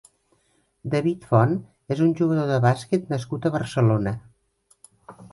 David Font és un jugador de bàsquet nascut a Barcelona.